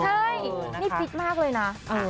เฮ้ยนี่ฟิตมากเลยนะ